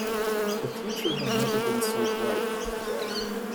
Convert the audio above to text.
The future has never been so bright than today.